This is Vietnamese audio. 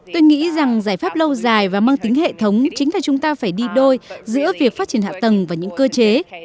tôi nghĩ rằng giải pháp lâu dài và mang tính hệ thống chính là chúng ta phải đi đôi giữa việc phát triển hạ tầng và những cơ chế